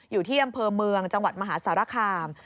อยู่ที่อำเภอเมืองจังหวัดมหาสารคาม